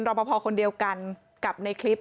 ปภคนเดียวกันกับในคลิป